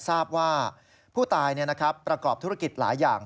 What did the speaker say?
ทราบว่าผู้ตายประกอบธุรกิจหลายอย่าง